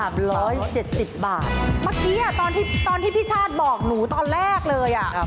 เมื่อกี้ตอนที่พี่ชาติบอกหนูตอนแรกเลย